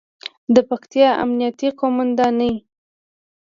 د پکتیا امنیې قوماندانۍ